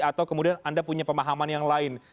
atau kemudian anda punya pemahaman yang lain